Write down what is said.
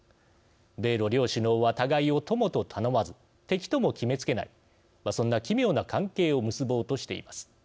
米ロ両首脳は互いを友と頼まず敵とも決めつけないそんな奇妙な関係を結ぼうとしています。